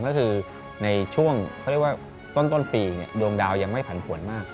ก็คือในช่วงต้นปีดวงดาวยังไม่ผ่านผลมาก